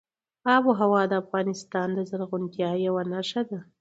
آب وهوا د افغانستان د زرغونتیا یوه نښه ده.